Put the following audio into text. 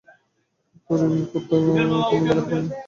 তোর ইমার পাত্তা এখনো লাগাতে পারি নি।